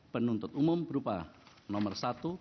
penuntut umum berupa nomor